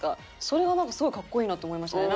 それがなんかすごいかっこいいなと思いましたね。